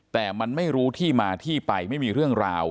แต่มันไม่รู้ที่มาที่ไปไม่มีเรื่องราว